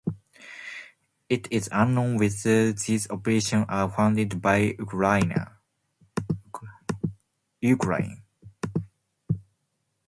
It is unknown whether these operations are funded by Ukraine.